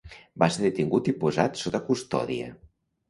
Va ser detingut i posat sota custòdia.